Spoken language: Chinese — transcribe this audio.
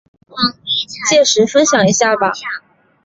届时分享一下吧